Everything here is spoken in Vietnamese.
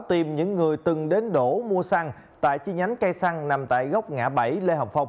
tìm những người từng đến đổ mua xăng tại chi nhánh cây xăng nằm tại gốc ngã bảy lê hồng phong